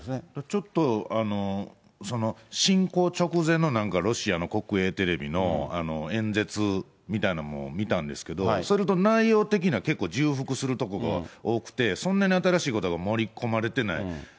ちょっと侵攻直前の、なんかロシアの国営テレビの演説みたいなものを見たんですけど、それほど、内容的には結構重複するところが多くて、そんなに新しいことが盛り込まれてない。